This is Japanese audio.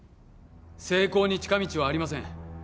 成功に近道はありません